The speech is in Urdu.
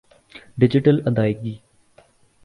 ڈیجیٹل ادائیگی م